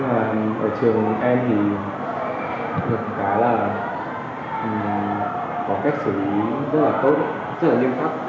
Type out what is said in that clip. nhưng mà ở trường em thì được cái là có cách xử lý rất là tốt rất là nghiêm cấp